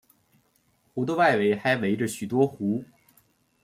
湖的外围还围着许多湖。